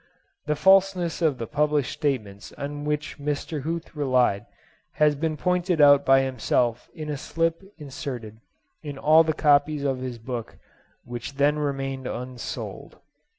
(The falseness of the published statements on which Mr. Huth relied has been pointed out by himself in a slip inserted in all the copies of his book which then remained unsold.)